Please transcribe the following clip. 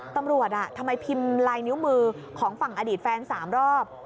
ทำไมพิมพ์ลายนิ้วมือของฝั่งอดีตแฟน๓รอบ